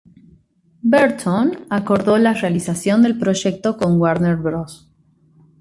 Burton acordó la realización del proyecto con Warner Bros.